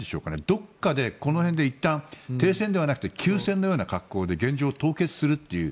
どこかでこの辺でいったん停戦ではなく休戦のような格好で現状を凍結するという。